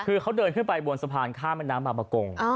คือเขาเดินขึ้นไปบนสะพานข้ามแม่น้ำบางประกง